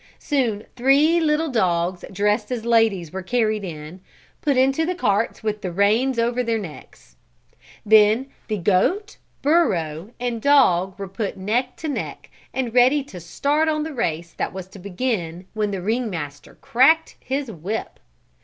Soon three little dogs dressed as ladies were carried in, put into the carts with the reins over their necks. Then the goat, burro, and dog were put neck to neck, ready to start on the race that was to begin when the ring master cracked his whip.